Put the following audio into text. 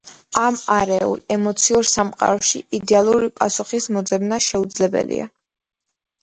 ამ არეულ, ემოციურ სამყაროში იდეალური პასუხის მოძებნა შეუძლებელია.